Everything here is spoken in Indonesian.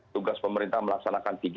tugas pemerintah melaksanakan tiga t